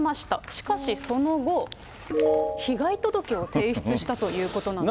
しかしその後、被害届を提出したということなんです。